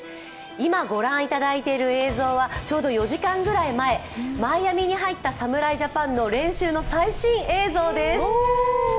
今ご覧いただいている映像はちょうど４時間くらい前、マイアミに入った侍ジャパンの練習の最新映像です。